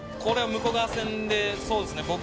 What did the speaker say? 「これは武庫川線でそうですね